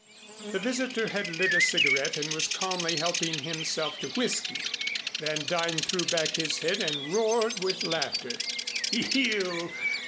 The visitor had lit a cigarette and was calmly helping himself to whisky. Van Duyn threw back his head and roared with laughter. "You!